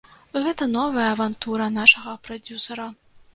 Гэта новая авантура нашага прадзюсара.